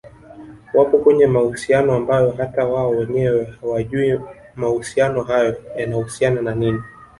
wapo kwenye mahusiano ambayo hata wao wenyewe hawajui mahusiano hayo yanahusiana na nini